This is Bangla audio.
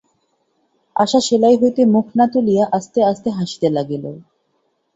আশা সেলাই হইতে মুখ না তুলিয়া আস্তে আস্তে হাসিতে লাগিল।